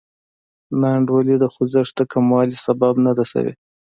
ناانډولي د خوځښت د کموالي سبب نه ده شوې.